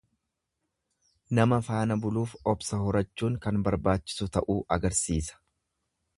Nama faana buluuf obsa horachuun kan barbaachisu ta'uu agarsiisa.